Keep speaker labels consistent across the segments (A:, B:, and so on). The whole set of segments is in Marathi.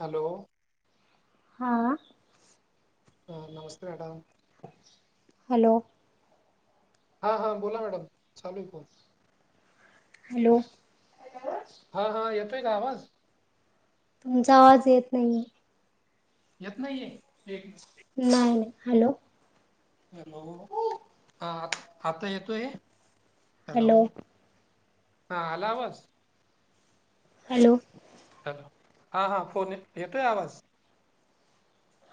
A: हॅलो.
B: हा.
A: ह नमस्ते मॅडम.
B: हॅलो.
A: हा हा बोला मॅडम, चालू आहे फोन.
B: हॅलो.
A: हा हा. येतोय का आवाज?
B: तुमचा आवाज येत नाहीये.
A: येत नाहीये, एक
B: नाय नाय, हॅलो.
A: हॅलो, हा आ आता येतोय? हॅलो. हा, आला आवाज?
B: हॅलो.
A: हॅलो, हां हां फोन येतोय आवाज.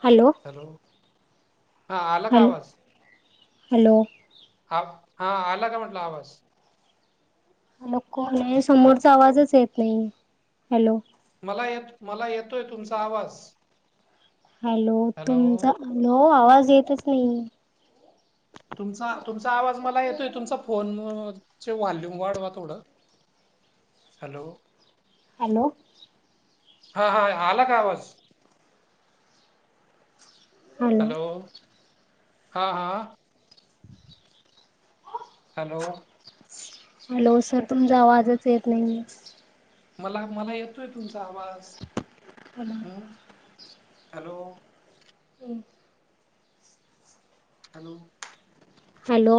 B: हॅलो.
A: हॅलो, हा आला का
B: हॅलो.
A: आवाज?
B: हॅलो.
A: हा हा, आला का म्हटलं आवाज?
B: हॅलो कोण आहे,
A: ह
B: समोरचा आवाजच येत नाहीये. हॅलो.
A: मला येत, मला येतोय तुमचा आवाज.
B: हॅलो, तुमचा हॅलो आवाज येतच नाहीये.
A: तुमचा तुमचा आवाज मला येतोय तुमचा फोन वॉल्यूम वाढवा थोडं हॅलो
B: हॅलो
A: हा हा आला का आवाज हॅलो हां हां हॅलो.
B: हॅलो, सर तुमचा आवाजच येत नाहीेये.
A: मला मला येतोय तुमचा आवाज.
B: हॅलो.
A: अं हॅलो.
B: हं.
A: हॅलो.
B: हॅलो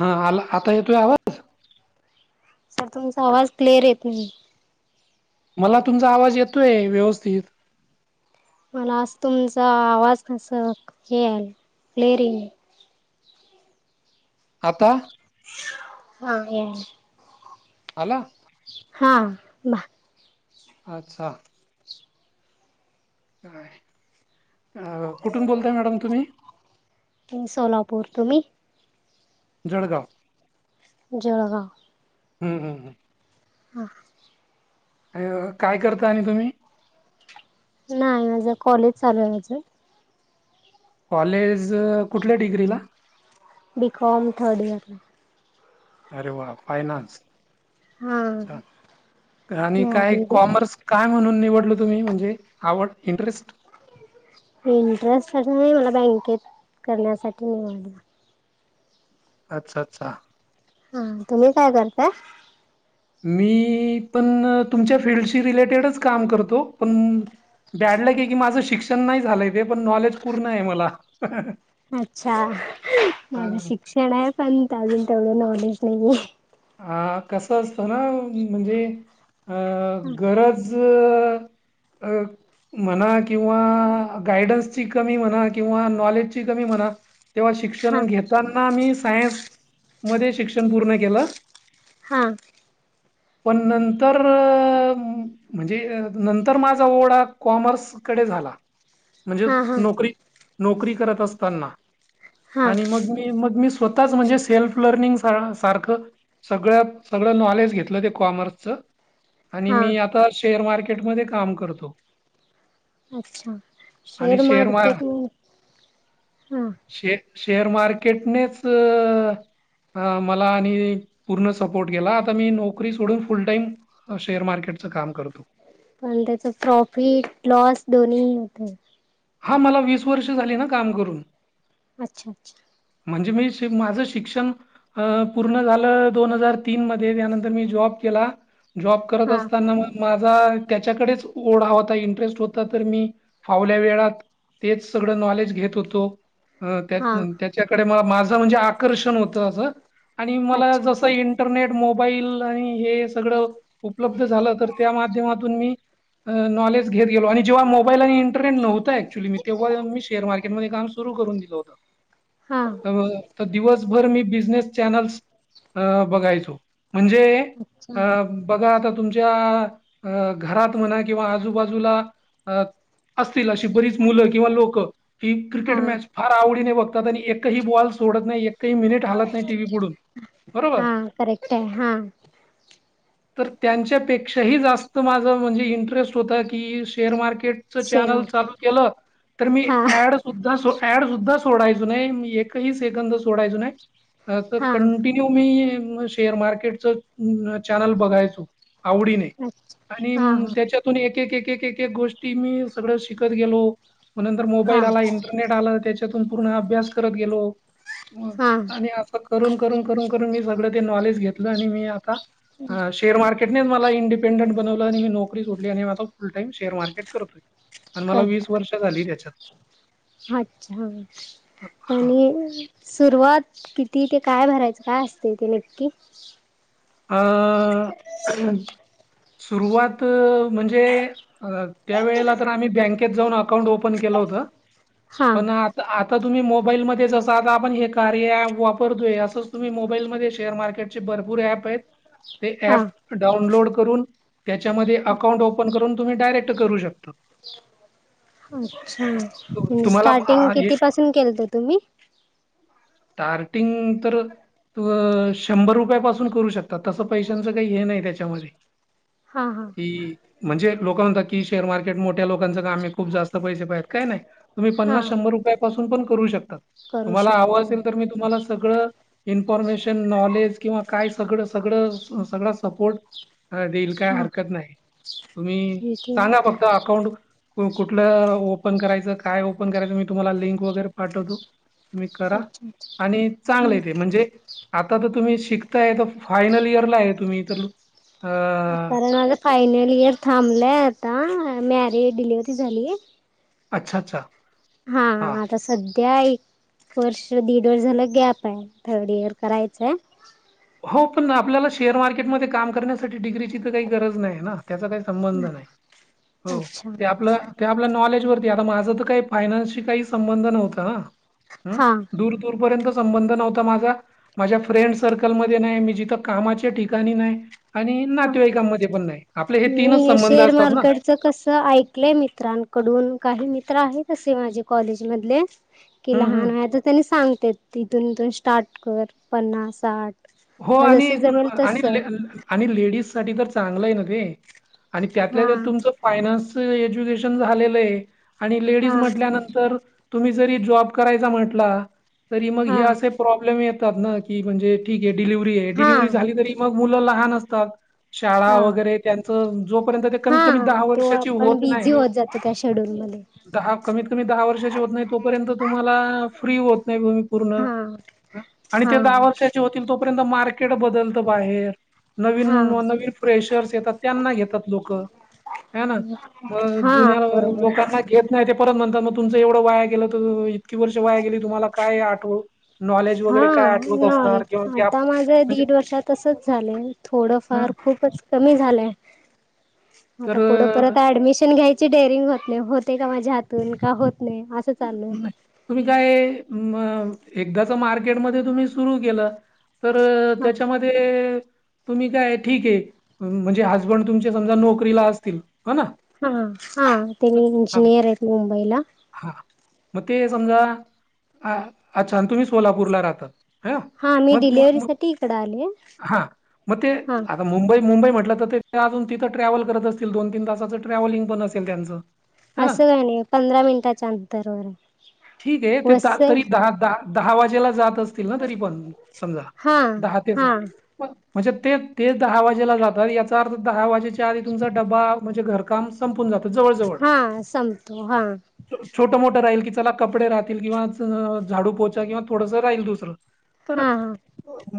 A: हा आ आता येतोय आवाज
B: सर तुमचा आवाज क्लिअर येत नाही
A: मला तुमचा आवाज येतोय व्यवस्थित
B: मला आज तुमचा आवाज कस केल क्लेअरी
A: आता
B: हा ये
A: आला
B: हा बा
A: अच्छा का कुठून बोलताय मॅडम तुम्ही
B: सोलापूर तुम्ही
A: जळगाव
B: जळगाव
A: हं हं हं
B: हा
A: अ काय करता आणि तुम्ही
B: नाही माझं कॉलेज चालू आहे माझं
A: कॉलेज कुठल्या डिग्रीला
B: बीिकॉम थर्ड इयरला
A: अरे वा फायनान्स
B: हां
A: छान आणि काय
B: मॅरिड
A: कॉमर्स काय म्हणून निवडल तुम्ही म्हणजे आवड इंटरेस्ट
B: इंटरेस्ट अस नाही मला बँकेत करण्यासाठी निवडला
A: अच्छा अच्छा
B: हा तुम्ही काय करताय
A: मी पण तुमच्या फिल््डशी रिलेटेडच काम करतो पण बॅडलं क की माझं शिक्षण नाही झालंय ते पण नॉलेज पूर्ण आहे मला
B: अच्छा माझं
A: हा.
B: शिक्षण आहे पण अजून तेवढं नॉलेज नाहीये
A: ह कसं असतं ना म्हणजे अ
B: आहे
A: गरज ज अ म्हणा किंवा गायडन्सची कमी म्हणा किंवा नॉलेजची कमी म्हणा तेव्हा शिक्षण
B: हां
A: घताना मी सायन्स मध्ये शिक्षण पूर्ण केलं
B: हा
A: पण नंतर म्हणजे नंतर माझा ओढा कॉमर्सकडे झाला म्हणजे
B: हां हां
A: नोकरी नोकरी करत असताना
B: हां
A: आणि मग मग मी स्वतःच म्हणजे सेल्फ लर्निंग सारखं सगळ सगळ नॉलेज घेतलं ते कॉमर्सच आणि
B: हां
A: मी आता शेर मार्के ट म काम करतो
B: अच्छा
A: आणि
B: शेअर
A: मार
B: मार्केट हां
A: शे शेअर मार्केटनेच अ मला आणि पूर्ण सपोर्ट केला आता मी नोकरी सोडून फुल टाईम शेअर मार्केटचं काम करतो.
B: पण त्याच प्रॉफिट लॉस दोन्ही होतय.
A: हा मला वीस वर्ष झाले न काम करून.
B: अच्छा अच्छा.
A: म्हणजे मी श माझं शिक्षण अ पूर्ण झालं दोन हजार तीन मध्ये त्यानंतर मी जॉब केला जॉब करत
B: हां
A: असताना मग माझा त्याच्याकडेच ओढा होता इंटरेस्ट होता तर मी फावल्या वेळात तेच सग नलेज घेत होत
B: हा
A: माझ म्हणजे आकर्षण होत अस मला ज
B: अच्छा
A: टरनेट मोबाईल आणि हे सगळं उपलब्ध झालं तर त्या माध्यमातून मी अ नॉलेज घेत गेलो आणि जेव्हा मोबाईल आणि इंटरनेट नव्हतय क्चुली मी तेव्हा अ मी शेअर मार्केटमध्ये काम सुरु करून दिलं होत.
B: हां.
A: त अ दिवसभर मी बिझनेस चॅनल्स अ बघायचो म्हणजे
B: अच्छा
A: अ बघा आता तुमच्या अ घरात म्हणा किंवा आजूबाजूला अ असतील अशी बरीच मुलं किंवा लोकं ही
B: हा
A: क्रिकेट मॅच फार आवडीनें बघतात आणि एकही बॉल सोडत नाही ए कही मिनिटं हालत नाही टी व्ही पुढून बरोबर.
B: हा करेक्ट आहे हा
A: तर त्यांच्या पेक्षाही जास्त माझं म्हणजे इंटरेस्ट होता की, शेअर मार्केट च
B: शेअर
A: चॅनल चालू
B: मार्केट
A: केलं तर मी
B: हा
A: ॲड सुद्धा सो ॲड सुद्धा सोडायचो नाही एकही सेकंद सोडायचो नाही अ
B: हा
A: कंटि न्यू मी अ शेअर मार्केट च न चॅनल बघायचो आवडीनें.
B: हा
A: आणि
B: हा
A: म त्याच्यातून एक एक एक गोष्टी मी सगळं शिकत गेलो. म नंतर
B: हा
A: मोबाईल आला, इंटरनेट आल त्याच्यातून पूर्ण अभ्यास करत गेलो.
B: हा
A: आणि असं करून करून करून करून मी सगळं ते नॉलेज घेतलं आणि मी आता ह श शेअर मार्केटनेच मला इंडिपेंडंट बनवलं आणि मी नोकरी सोडली आणि आता फुल टाईम शेअर मार्केट करतोय. आणि मला
B: कर
A: वर्ष झाली त्याच्यात.
B: अच्छा
A: हां.
B: आणि सुरुवात किती ते काय भरायचं काय असतय ते नक्की?
A: अ सुरुवात अ म्हंजे अ त्या वेळेला तर आम्ही बँकेत जाऊन अकाउंट ओपन केलं होत
B: हा
A: पण आ आता तुम्ही मोबाईलमध्ये जसं आता आपण हे कार्य ऍप वापरतोय, असंच तुम्ही मोबाईलमध्ये शेअर मार्केट चे भरपूर ऍप आहेत ते
B: हा
A: ऍप डाउनलोड करून त्याच्यामध्ये अकाउंट ओपन करून तुम्ही डायरेक्ट करू शकता. त तु
B: अच्छा
A: तुम्हाला आ
B: स्टार्टिंग
A: हे
B: किती पासून केलंत तुम्ही?
A: स्टार्टिंग तर त अ शंभर रुपयापासून करू शक तसं पैशांचं काही हे नाही त्याच्यामध्ये.
B: हा हा.
A: की म्हणजे लोक म्हणतात की शेअर मार्केट मोठ्या लोकांच कामय, खूप जास्त पैसे पाहिजेत काय नाहीं तुम्ही
B: हा
A: पन्नास शंभर रुपया पासून पणं करू शकतात
B: करू
A: तुम्हाला हवं
B: शकतो
A: असेल तर मी तुम्हांला सगळं इन्फॉर्मेशन नॉलेज किंवा काय सगळंच सगळं सगळा सपोर्ट देईल काय
B: हा
A: हरकत नाहीं. तुम्ही
B: ठीक आहे
A: सांगा फक्त अकाउंट कुठलं ओपन करायचं काय ओपन करायचं मी तुम्हाला लिंक वगैरे पाठवतो. तुम्ही करा
B: अच्छा
A: आणि
B: अच्छा
A: चांगलंय ते म्हणजे आता तर तुम्ही शिकताय त फायनल इयर ला आहे तुम्हीं तर अ,
B: कारण माझं फायनल इयर थांबलंय आता अ मॅरी डिलिव्हरी झालीय.
A: अच्छा अच्छा.
B: हा
A: हां.
B: हा. आता सध्या एक वर्ष दीड वर्ष झालं गॅप आहे थर्ड इयर करायचं आहे.
A: हो पण आपल्याला शेअर मार्केटमध्ये काम करण्यासाठी डिग्रीची तर काही गरज नाही ना त्याच काय. संबंध नाही हो
B: अच्छा
A: ते आपलं ते आपल्या नॉलेजवरती आहे. आता माझं तर काही फायनान्सशी काही संबंध नव्हत ना
B: हा
A: दूर पूरेपूर संबंध नव्हतं माझ माझ्या फ्रें कल मध्ये नाही मी जिथं कामाच्या ठिकाणी नाहीं आणि
B: हा
A: नातेवाईकांमध्ये पण नाही आपले हे तीनच संबंध असतात ना.
B: त कसं ऐकलंय मित्रांकडून काही मित्र आहेत तसे माझे कॉलेज मधले. कि
A: हं, हं.
B: लहान वयात त त्यांनी सांगतेत तिथून इथून स्टार्ट कर पन्नास साठ
A: हो
B: तुला
A: आणि
B: जसं जमेल तस
A: आणि आणि लेडीज साठी तर चांगलं आहे ना ते आणि त्यातल्या
B: हा
A: त्यात तुमचं फायनान्सच एज्युकेशन झालेलं आणि लेडीज
B: हा
A: म्हटल्यानंतर तुम्ही जरी जॉब करायचा म्हटलं
B: हा
A: तर असे प्रॉब्लेम येतात ना क म्हणजे ठीक आहे. डिलिव्हरी आहे
B: हा
A: डिलिव्हरी झाली तरी मग मुलं लहान असतात. शाळा
B: हा
A: वगैरे त्यांच जोपर्यंत कमीत कमी
B: हा
A: दहा
B: तो
A: वर्षाची होत
B: आपण
A: नाही,
B: बिझी होत जातो त्या शेड्यूल मध्ये
A: दहा कमीत कमी दहा वर्षाची होत नाही. तोपर्यंत तुम्हाला फ्री होत नाही त पूर्ण
B: हा
A: आणि
B: हा
A: ते दहा वर्षा तोपर्यंत मार्केट बदलतं बाहेर. नवीन
B: हा
A: नवीन फ्रेशर्स येतात त्यांना घेतात लोकं ह ना म
B: हा
A: जुन्या
B: बरोबर
A: लोकांना घ नाही ते परत म्हणतात मग तुमचं एवढं वाया गेलं तर इतकी वर्ष वाया गेली तुम्हाला काय आठवू नॉलेज
B: हा
A: वगैरे काय आठवत असणार.
B: नॉलेज
A: गॅप
B: आता माझं
A: म्हणजे
B: दीड वर्षात तसच झालंय
A: हां,
B: थोडंफार खूपच कमी झालंय, आता
A: तर
B: पुढं
A: अ,
B: परत ऍडमिशन घ्यायच. ची डेरिंग होत नाही, होते का माझ्या हातून का होत नाही असं चाललूय
A: नाही. तुम्ही काय एकदाच मार्केटमध्ये तुम्ही सुरू केलं. तर
B: हा
A: त्याच्यामध्ये तुम्ही काय ठीक आहे म्हणजे हजबंड तुमच्या समजा नोकरीला असतील ह ना
B: हा हा
A: तर-
B: त्यांनी
A: हा
B: इंजिनियर आहेत मुंबईला
A: हा मग ते समजा अ अच्छा तुम्ही सोलापूरला राहतात. ह
B: हा मी
A: म म
B: डिलिव्हरी
A: म
B: साठी इकडे आले
A: हा म ते
B: हा
A: आ मुंबई मुंबई म्हटलं तर ते अजून तिथं ट्रॅव्हल करत असतील दोन तीन तासाचं ट्रॅवलिंग पण असेल त्यांचं है ना
B: असं काय नाही पंधरा मिनिटाच्या अंतरवर
A: ठीक आहे ते
B: वसई
A: तरी दहा दहा दहा वाजेला जात असते. तरी पण समजा
B: हा
A: दहा ते
B: हा
A: म्हणजे तेच तेच दहा वाजेला जातात याचा अर्थ दहा वाजेच्या आधी तुमचा डबा म्हणजे घर काम संपून जात.
B: हा संपतो हा
A: छोट मोठं राहील की चला कपडे राहतील किंवा झाडू पोचा किंवा थोडंसं राहील दुसरं
B: हा
A: तर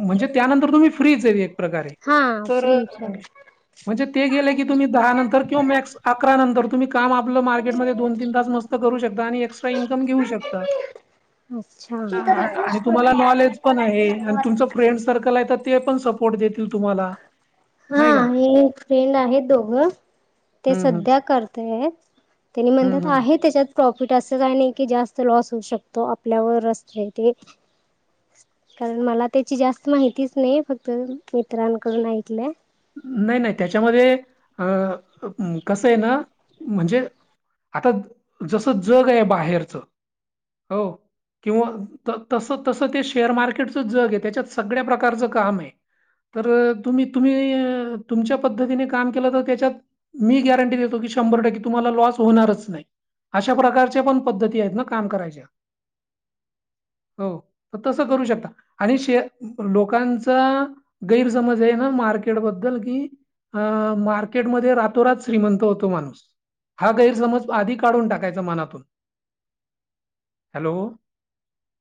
A: म्हणजे त्यानंतर तुम्ही फ्रीच येईल एक प्रकारे
B: हा
A: तर
B: फ्री
A: अं, म्हणजे ते गेले की तुम्ही दहा नंतर किंवा मॅक्स अकरा नंतर तुम्ही काम आपलं मार्केटमध्ये दोन तीन तास नस करू शकता आणि एक्स्ट्रा इनकम घेऊ शकता.
B: अच्छा
A: ह आणि तुम्हाला नॉलेज पण आहे आणि तुमच फ्रेंड सर्कल आहे ते पण कोट देतील तुम्हाला.
B: हा
A: नाही का
B: हे एक फ्रेंड आहे दोघं ते
A: हम्म हम्म
B: सध्या करतय त्यांनी
A: हम्म
B: म्हणतात आहे त्याच्यात प्रॉफिट असं काही नाही की जास्त लॉस होऊ शकतो आपल्यावर असते ते कारण मला त्याची जास्त माहितीच नाही फक्त मित्रांकडून ऐकलंय.
A: नाही नाही त्याच्यामध्ये अ कसं आहे ना म्हणजे आता जसं जग आहे बाहेरच हो किंवा तस तसं ते शेअर मार्केटचं जग आहे त्याच्यात सगळ्या प्रकारचं काम आहे तर तुम्ही तुम्ही तुमच्या पद्धतीने काम केलं तर त्याच्यात मी गॅरंटी देतो की शंभर टक्के तुम्हाला लॉस होणारच नाही अशा प्रकारच्या पण पद्धती आहेत ना काम करायच्या हो तसं करू शकता आणि श लोकांचा गैरसमज आहे ना मार्के े बद्दल की अ मार्केटमध्ये रातोरात श्रीमंत होतो माणूस हा गैरसमज आधी काढून टाकायचा मनातून हॅलो